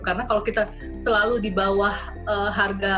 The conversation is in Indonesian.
karena kalau kita selalu di bawah harga barang itu harus di bawah harga barang